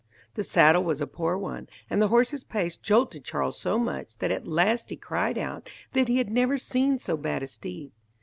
The saddle was a poor one, and the horse's pace jolted Charles so much, that at last he cried out that he had never seen so bad a steed.